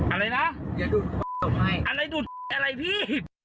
อะไรดูอะไรพี่